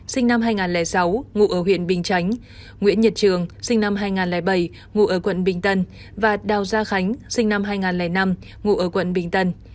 sinh năm hai nghìn sáu ngụ ở huyện bình chánh nguyễn nhật trường sinh năm hai nghìn bảy ngụ ở quận bình tân và đào gia khánh sinh năm hai nghìn năm ngụ ở quận bình tân